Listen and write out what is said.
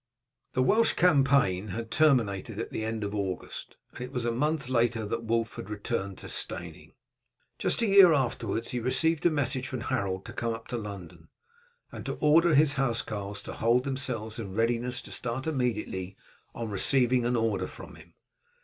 The Welsh campaign had terminated at the end of August, and it was a month later that Wulf had returned to Steyning. Just a year afterwards he received a message from Harold to come up to London, and to order his housecarls to hold themselves in readiness to start immediately on receiving an order from him.